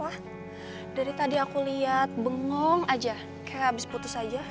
wah dari tadi aku lihat bengong aja kayak habis putus aja